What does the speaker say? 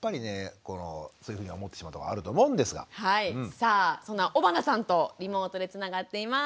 さあそんな尾花さんとリモートでつながっています。